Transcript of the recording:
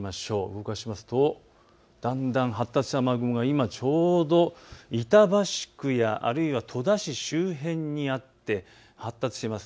動かしますとだんだん発達した雨雲が今ちょうど板橋区や戸田市周辺にあって発達しています。